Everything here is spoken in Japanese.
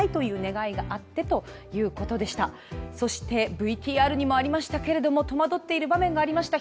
ＶＴＲにもありましたけれども、戸惑っている場面がありました。